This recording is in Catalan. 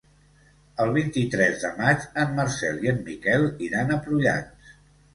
El vint-i-tres de maig en Marcel i en Miquel iran a Prullans.